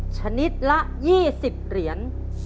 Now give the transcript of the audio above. ชนิดละ๒๐เหรียญ